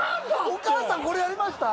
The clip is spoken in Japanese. お母さんこれやりました？